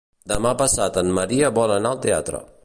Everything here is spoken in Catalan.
Demà passat en Maria vol anar al teatre.